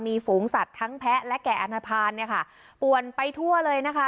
มีฝูงสัตว์ทั้งแพะและแก่อันทภาณเนี่ยค่ะป่วนไปทั่วเลยนะคะ